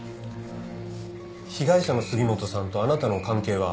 被害者の杉本さんとあなたの関係は？